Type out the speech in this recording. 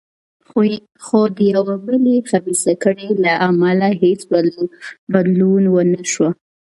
خو د یوې بلې خبیثه کړۍ له امله هېڅ بدلون ونه شو.